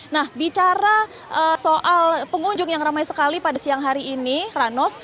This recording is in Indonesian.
nah bicara soal pengunjung yang ramai sekali pada siang hari ini ranof